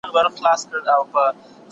زه پرون قلم استعمالوم کړ؟